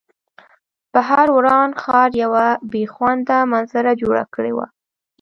بهر وران ښار یوه بې خونده منظره جوړه کړې وه